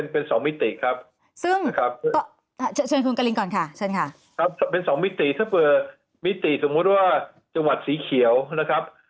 เป็น๒มิติครับถ้าเปิดมิติสมมติว่าจังหวัดสีเขียวนะครับ